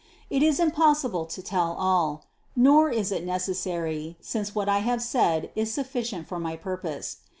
It is impossible to tell all; nor is it necessary, since what I have said is sufficient for my purpose.